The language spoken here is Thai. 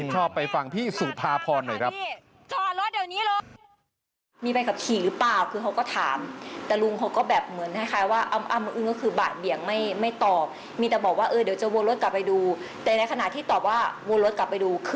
ชอบไปฟังพี่สุภาพรหน่อยครับ